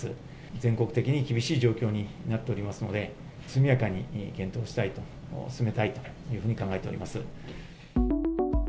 全国的に厳しい状況になっておりますので、速やかに検討したいと、進めたいというふうに考えております。